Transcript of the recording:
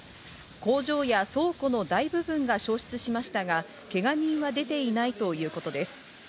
工場や倉庫の大部分が焼失しましたが、けが人は出ていないということです。